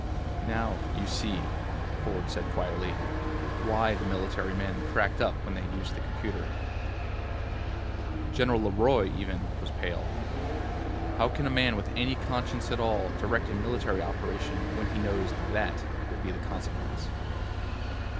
"Now you see," Ford said quietly, "why the military men cracked up when they used the computer." General LeRoy, even, was pale. "How can a man with any conscience at all direct a military operation when he knows that that will be the consequence?"